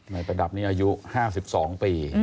ประดับนี้อายุ๕๒ปี